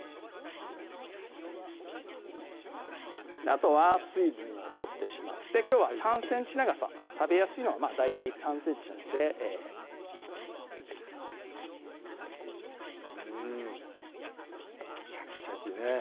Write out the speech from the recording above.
あとは水分を取ってしまってきょうは３ｃｍ長さ食べやすいのはまぁ大体３ｃｍなのでうんシャキシャキね